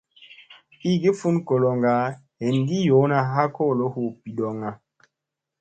Igi fun goloŋga heengi yoona ha kolo hu bidoŋga.